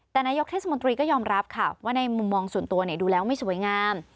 แต่นายกเทศมนตรีก็ยอมรับค่ะว่าในมุมมองส่วนตัวดูแล้วไม่สวยงาม